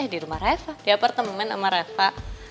eh di rumah reva di apartemen sama reva